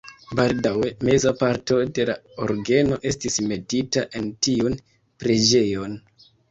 Baldaŭe meza parto de la orgeno estis metita en tiun preĝejon.